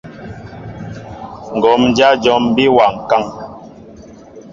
Ŋgǒm dyá jǒm bí wa ŋkán.